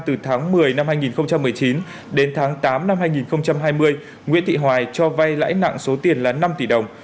từ tháng một mươi năm hai nghìn một mươi chín đến tháng tám năm hai nghìn hai mươi nguyễn thị hoài cho vay lãi nặng số tiền là năm tỷ đồng